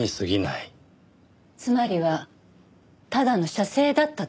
つまりはただの写生だったと？